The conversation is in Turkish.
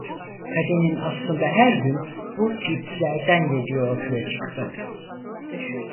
Kaden'ın aslında her gün bu cipslerden yediği ortaya çıktı.